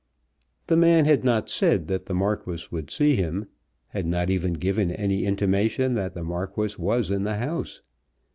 The man had not said that the Marquis would see him, had not even given any intimation that the Marquis was in the house.